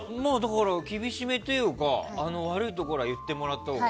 厳しめというか、悪いところは言ってもらったほうが。